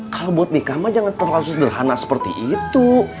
kalau buat nikah mah jangan terlalu sederhana seperti itu